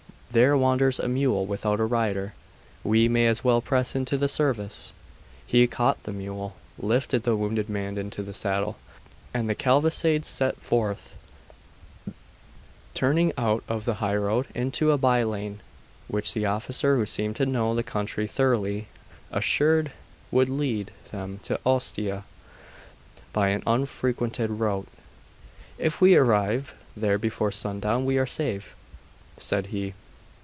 there wanders a mule without a rider; we may as well press into the service.' He caught the mule, lifted the wounded man into the saddle, and the cavalcade set forth, turning out of the highroad into a by lane, which the officer, who seemed to know the country thoroughly, assured would lead them to Ostia by an unfrequented route. 'If we arrive there before sundown, we are saved,' said he.